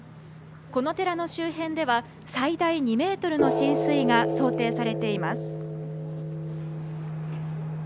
この寺の周辺では最大２ｍの浸水が想定されています。